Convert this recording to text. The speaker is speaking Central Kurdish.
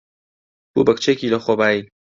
بوو بە کچێکی لەخۆبایی.